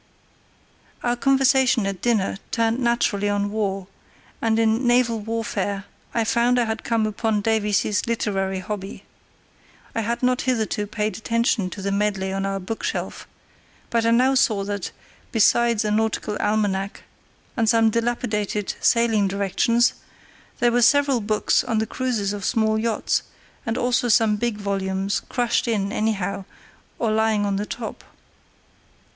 Our conversation at dinner turned naturally on war, and in naval warfare I found I had come upon Davies's literary hobby. I had not hitherto paid attention to the medley on our bookshelf, but I now saw that, besides a Nautical Almanack and some dilapidated Sailing Directions, there were several books on the cruises of small yachts, and also some big volumes crushed in anyhow or lying on the top.